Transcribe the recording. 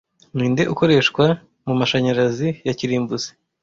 Ninde ukoreshwa mumashanyarazi ya kirimbuzi